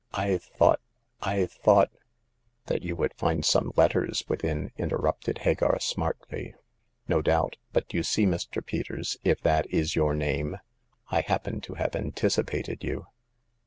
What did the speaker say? '*I thought— I thought *' That you would find some letters within," interrupted Hagar, smartly. No doubt ; but you see, Mr. Peters — if that is your name — I happen to have anticipated you."